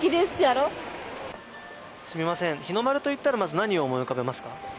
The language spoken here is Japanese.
すみません日の丸といったらまず何を思い浮かべますか？